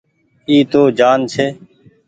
اي تو ڃآن ڇي۔